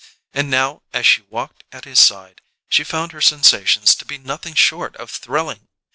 And now, as she walked at his side, she found her sensations to be nothing short of thrilling.